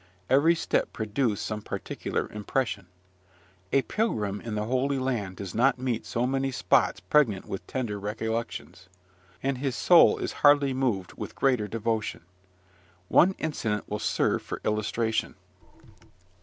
Every step produced some particular impression. A pilgrim in the Holy Land does not meet so many spots pregnant with tender recollections, and his soul is hardly moved with greater devotion. One incident will serve for illustration.